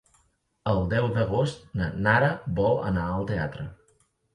El deu d'agost na Nara vol anar al teatre.